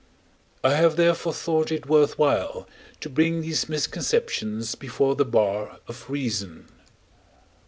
I have therefore thought it worth while to bring these misconceptions before the bar of reason.